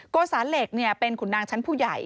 โกสาเหล็กเป็นขุนนางชั้นผู้ใหญ่